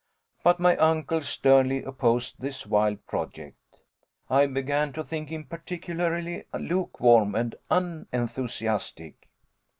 But my uncle sternly opposed this wild project. I began to think him particularly lukewarm and unenthusiastic.